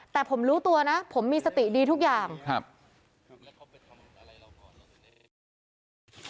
แต่ผมรู้ตัวนะผมมีสติดีทุกอย่างครับ